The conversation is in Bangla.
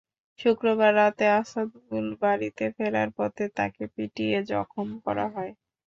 শুক্রবার রাতে আছাদুল বাড়িতে ফেরার পথে তাঁকে পিটিয়ে জখম করা হয়।